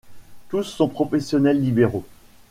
Tous sont professionnels libéraux.